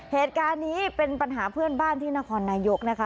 เหตุการณ์นี้เป็นปัญหาเพื่อนบ้านที่นครนายกนะคะ